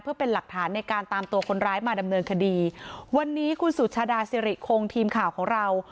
เพื่อเป็นหลักฐานในการตามตัวคนร้ายมาดำเนินคดีวันนี้คุณสุชาดาสิริคงทีมข่าวของเรา